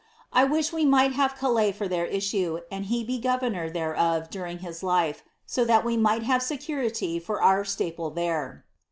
I wish we might have Calais for th«r issue, and he to be governor thereof during his life, 30 as we mi^ have security for our staple there."